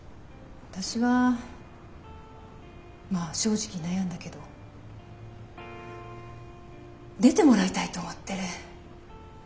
私はまあ正直悩んだけど出てもらいたいと思ってる。